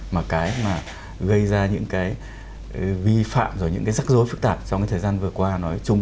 mà cái gây ra những vi phạm và những rắc rối phức tạp trong thời gian vừa qua nói chung